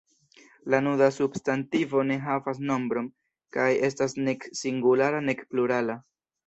La nuda substantivo ne havas nombron, kaj estas nek singulara nek plurala.